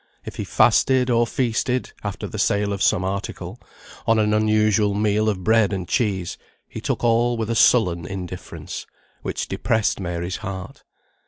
If he fasted, or feasted (after the sale of some article), on an unusual meal of bread and cheese, he took all with a sullen indifference, which depressed Mary's heart.